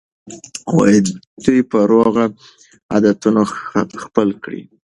دوی به روغ عادتونه خپل کړي.